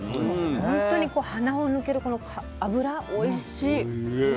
本当に鼻を抜けるこの脂おいしい。